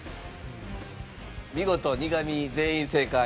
見事苦味全員正解。